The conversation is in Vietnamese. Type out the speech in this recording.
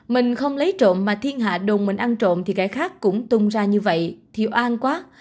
mình không lấy trộm mà thiên hạ đồn mình ăn trộm thì gái khác cũng tung ra như vậy thiệu an quá